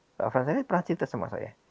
mbak franseda pernah cerita sama saya